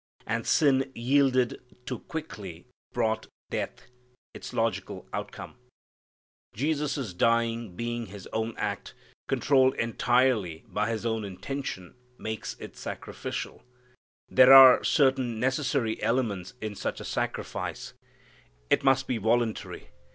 And sin yielded to quickly brought death, its logical outcome. Jesus' dying being His own act, controlled entirely by His own intention, makes it sacrificial. There are certain necessary elements in such a sacrifice. It must be voluntary.